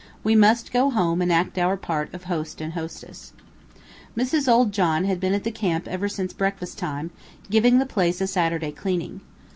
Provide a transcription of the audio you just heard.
We must go home and act our part of host and hostess. Mrs. Old John had been at the camp ever since breakfast time, giving the place a Saturday cleaning.